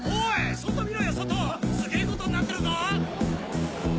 外見ろよ外すげぇことになってるぞ。